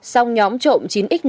sau nhóm trộm chín x